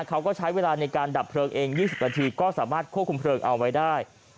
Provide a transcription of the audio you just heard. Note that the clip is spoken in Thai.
เขาก็ใช้เวลาในการดับเพลิงเอง๒๐นาทีก็สามารถควบคุมเพลิงเอาไว้ได้